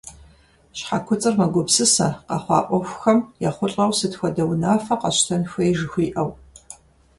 Щхьэ куцӀыр мэгупсысэ, къэхъуа Ӏуэхухэм ехъулӀэу сыт хуэдэ унафэ къэщтэн хуей жыхуиӀэу.